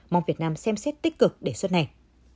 mong việt nam xem xét tích cực đề xuất này